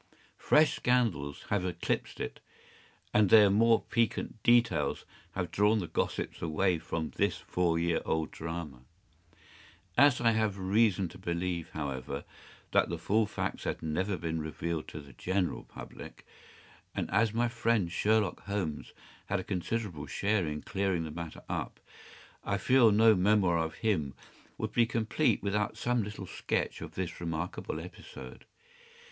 Fresh scandals have eclipsed it, and their more piquant details have drawn the gossips away from this four year old drama. As I have reason to believe, however, that the full facts have never been revealed to the general public, and as my friend Sherlock Holmes had a considerable share in clearing the matter up, I feel that no memoir of him would be complete without some little sketch of this remarkable episode.